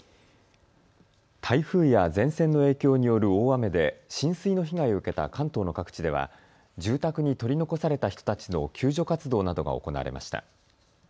台風や前線の影響による大雨で浸水の被害を受けた関東の各地では住宅に取り残された人たちの救助活動などが行われました。